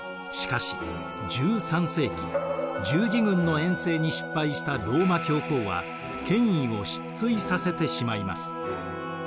しかし１３世紀十字軍の遠征に失敗したローマ教皇は権威を失墜させてしまいます。